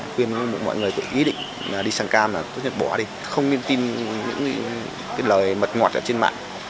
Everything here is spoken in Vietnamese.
quyên mọi người ý định đi sang cam là tốt nhất bỏ đi không nên tin những lời mật ngọt trên mạng